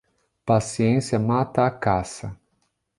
Paciência mata a caça.